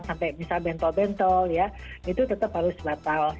sampai misal bentol bentol ya itu tetap harus batal